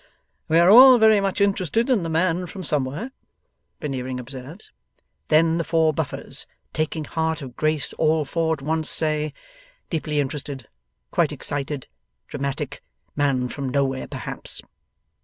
'We are all very much interested in the man from Somewhere,' Veneering observes. Then the four Buffers, taking heart of grace all four at once, say: 'Deeply interested!' 'Quite excited!' 'Dramatic!' 'Man from Nowhere, perhaps!